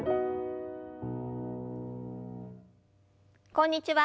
こんにちは。